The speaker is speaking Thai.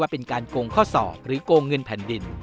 เป็นการโกงข้อสอบหรือโกงเงินแผ่นดิน